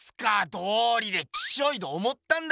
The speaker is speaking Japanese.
どうりでキショイと思ったんだよ！